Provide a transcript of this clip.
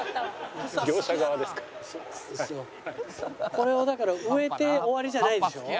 これはだから植えて終わりじゃないでしょ？